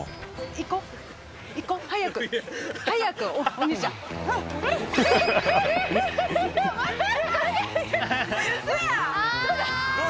行こう。